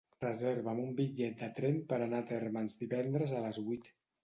Reserva'm un bitllet de tren per anar a Térmens divendres a les vuit.